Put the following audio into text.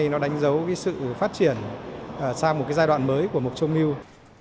nó đánh dấu sự phát triển sang một giai đoạn mới của mộc châu milk